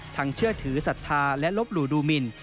เชื่อถือศรัทธาและลบหลู่ดูหมิน